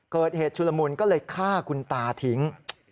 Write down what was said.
เกิดเหตุชุลมูลก็เลยฆ่าคุณตาถิง